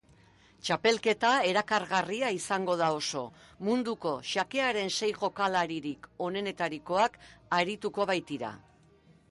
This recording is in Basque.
Txapelketa erakargarria izango da oso, munduko xakearen sei jokalaririk onentarikoak arituko baitira.